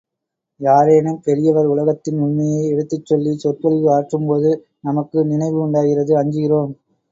யாரேனும் பெரியவர் உலகத்தின் உண்மையை எடுத்துச் சொல்லிச் சொற்பொழிவு ஆற்றும்போது நமக்கு நினைவு உண்டாகிறது அஞ்சுகிறோம்.